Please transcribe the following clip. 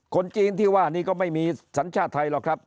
คนจีนที่ว่านี่ก็ไม่มีสัญชาติไทยหรอกครับ